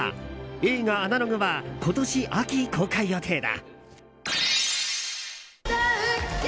映画「アナログ」は今年秋、公開予定だ。